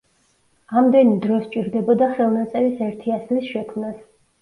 ამდენი დრო სჭირდებოდა ხელნაწერის ერთი ასლის შექმნას.